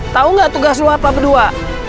tau gak tugas lo apa berdua